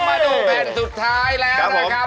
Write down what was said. มาดูแผ่นสุดท้ายแล้วนะครับ